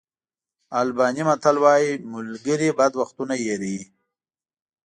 آلباني متل وایي ملګري بد وختونه هېروي.